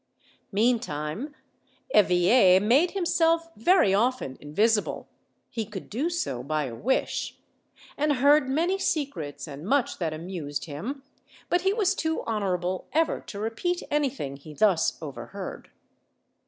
Meantime Eveille made himself very often invisible (he could do so by a wish), and heard many secrets and much that amused him; but he was too honorable ever to re peat anything he thus overheard.